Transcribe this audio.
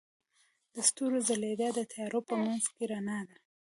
د ستورو ځلیدا د تیارو په منځ کې رڼا ده.